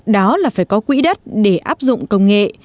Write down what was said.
đó là phải có quỹ đất để áp dụng công nghệ